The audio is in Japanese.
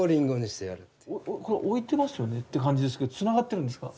これ置いてますよねって感じですけどつながってるんですか？